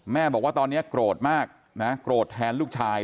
บอกว่าตอนนี้โกรธมากนะโกรธแทนลูกชาย